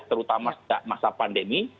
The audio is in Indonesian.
terutama setelah masa pandemi